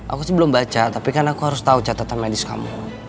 aku sih belum baca tapi kan aku harus tahu catatan medis kamu